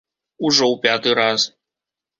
Ужо ў пяты раз.